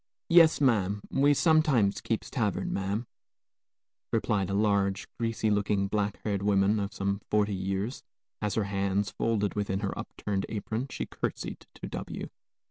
"Yes, ma'am; we sometimes keeps tavern, ma'am," replied a large, greasy looking, black haired woman of some forty years, as, her hands folded within her up turned apron, she courtesied to W